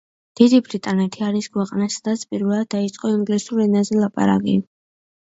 დიდი ბრიტანეთი არის ქვეყანა, სადაც პირველად დაიწყო ინგლისურ ენაზე ლაპარაკი.